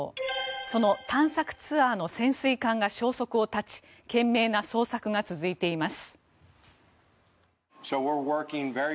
その探索ツアーの潜水艦が消息を絶ち懸命な捜索が続いています。